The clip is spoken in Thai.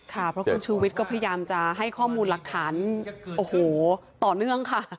คุณชูวิทย์ก็พยายามจะให้ข้อมูลหลักฐานต่อเนื่องค่ะ